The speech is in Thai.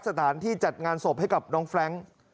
สถานที่จัดงานศพให้กับน้องแฟรงค์